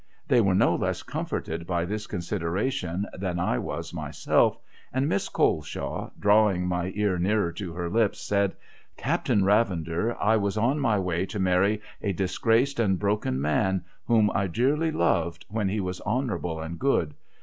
They were no less comforted by this consider ation, than I was myself; and Miss Coleshaw, drawing my ear nearer to her lips, said, ' Captain Ravender, I was on my way to marry a disgraced and broken man, whom I dearly loved when he was honourable and good.